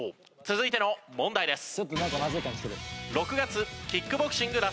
続いての問題です。